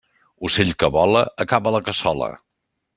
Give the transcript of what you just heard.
Ocell que vola, acaba a la cassola.